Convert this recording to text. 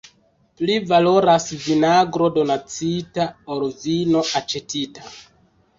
Pli valoras vinagro donacita, ol vino aĉetita.